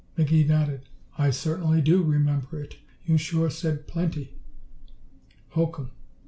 McGee nodded. "I certainly do remember it. You sure said plenty!" "Hokum!